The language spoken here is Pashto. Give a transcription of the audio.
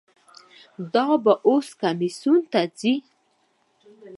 دا به اوس کمیسیون ته ځي.